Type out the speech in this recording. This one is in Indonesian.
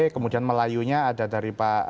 kemudian melayunya ada dari pak